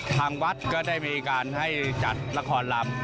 ทางวัดก็ได้มีการให้จัดละครลำ